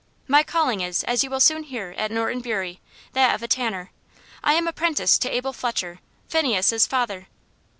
"My calling is, as you will soon hear at Norton Bury, that of a tanner. I am apprentice to Abel Fletcher Phineas's father."